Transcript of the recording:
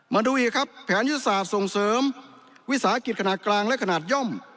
มาดูอีกครับแผนยุทธศาสตร์ส่งเสริมวิสาหกิจขนาดกลางและขนาดย่อม